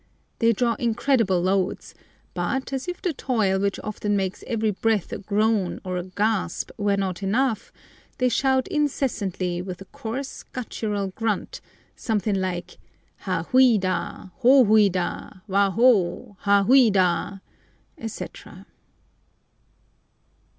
They draw incredible loads, but, as if the toil which often makes every breath a groan or a gasp were not enough, they shout incessantly with a coarse, guttural grunt, something like Ha huida, Ho huida, wa ho, Ha huida, etc.